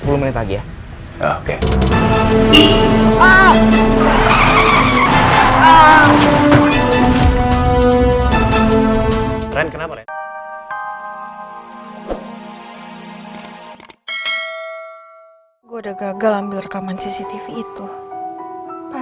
ren udah sampe mana